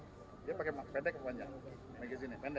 dia pakai pendek apa panjang